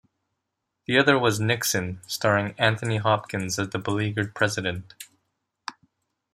The other was Nixon starring Anthony Hopkins as the beleaguered president.